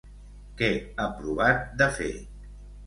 Què ha provat de fer?